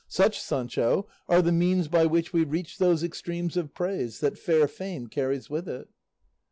Such, Sancho, are the means by which we reach those extremes of praise that fair fame carries with it."